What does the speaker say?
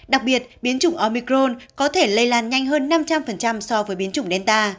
đặc biệt biến chủng omicron có thể lây lan nhanh hơn năm trăm linh so với biến chủng delta